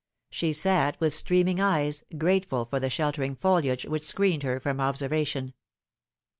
She sat with streaming eyes, grateful for the sheltering foliage which screened her from observation.